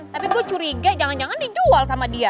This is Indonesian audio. tapi gue curiga jangan jangan dijual sama dia